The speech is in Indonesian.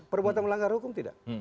perbuatan melanggar hukum tidak